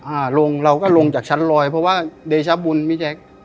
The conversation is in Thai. อ่าลงเราก็ลงจากชั้นลอยเพราะว่าเดชบุญพี่แจ๊ค